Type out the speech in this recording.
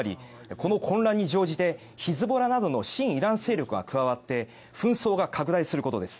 この混乱に乗じてヒズボラなどの親イラン勢力が加わって紛争が拡大することです。